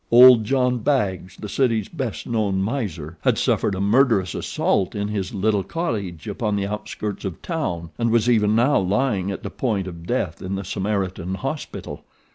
Old John Baggs, the city's best known miser, had suffered a murderous assault in his little cottage upon the outskirts of town, and was even now lying at the point of death in The Samaritan Hospital.